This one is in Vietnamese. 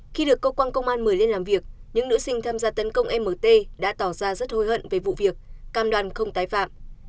khi được cơ quan công an mời lên làm việc những nữ sinh tham gia tấn công mt đã tỏ ra rất hối hận về vụ việc cam đoàn không tái phạm